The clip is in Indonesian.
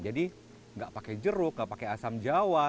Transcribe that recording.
jadi enggak pakai jeruk enggak pakai asam jawa